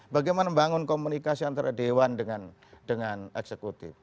bagaimana membangun komunikasi antara dewan dengan eksekutif